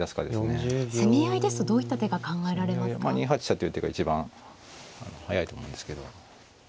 ２八飛車という手が一番速いと思うんですけど。